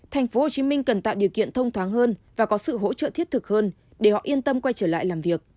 tp hcm cần tạo điều kiện thông thoáng hơn và có sự hỗ trợ thiết thực hơn để họ yên tâm quay trở lại làm việc